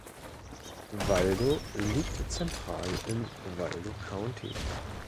Waldo liegt zentral im Waldo County.